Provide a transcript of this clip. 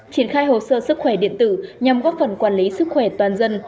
triển khai hồ sơ sức khỏe điện tử nhằm góp phần quản lý sức khỏe toàn dân